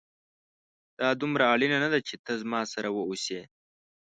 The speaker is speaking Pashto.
دا دومره اړينه نه ده چي ته زما سره واوسې